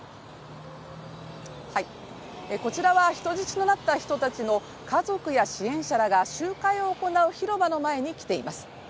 こちらは人質となった人たちの家族や支援者たちが集会を行う広場の前に来ています。